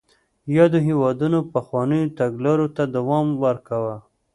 یادو هېوادونو پخوانیو تګلارو ته دوام ورکاوه.